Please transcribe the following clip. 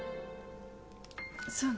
そうね。